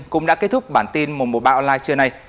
cũng đã kết thúc bản tin một trăm một mươi ba online trưa nay